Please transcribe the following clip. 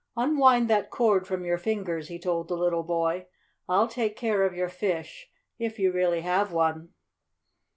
"Unwind that cord from your fingers," he told the little boy. "I'll take care of your fish if you really have one."